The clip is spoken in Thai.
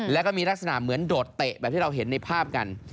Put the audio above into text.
แล้วก็มีลักษณะเหมือนโดดเตะแบบที่เราเห็นในภาพกัน